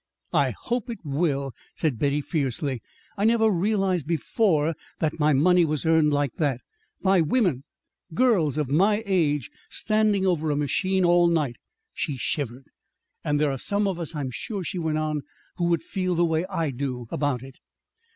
"I hope it will," said Betty fiercely. "I never realized before that my money was earned like that by women, girls of my age, standing over a machine all night." She shivered. "And there are some of us, I'm sure," she went on, "who would feel the way I do about it."